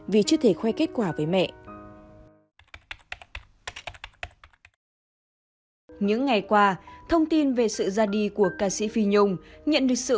vì chưa thể khoe kết quả với mẹ